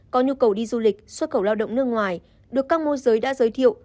có nhu cầu đi du lịch xuất khẩu lao động nước ngoài được các môi giới đã giới thiệu